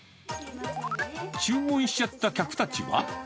注文しちゃった客たちは。